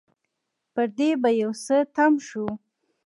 پر دې به يو څه تم شو.